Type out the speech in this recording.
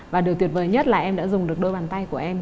và điều tuyệt vời nhất là em đã dùng được đôi bàn tay của em